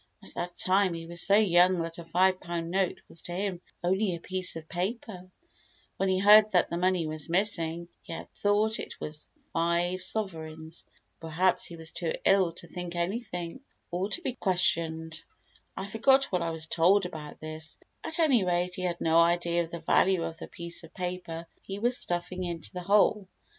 At that time he was so young that a five pound note was to him only a piece of paper; when he heard that the money was missing, he had thought it was five sovereigns; or perhaps he was too ill to think anything, or to be questioned; I forget what I was told about this—at any rate he had no idea of the value of the piece of paper he was stuffing into the hole.